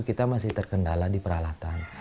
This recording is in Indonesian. kita masih terkendala di peralatan